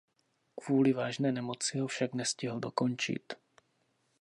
Kvůli vážné nemoci ho však nestihl dokončit.